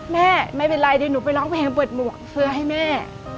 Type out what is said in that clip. ไม่เป็นไรเดี๋ยวหนูไปร้องเพลงเปิดหมวกเสื้อให้แม่